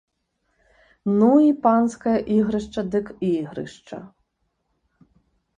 Ну і панскае ігрышча дык ігрышча!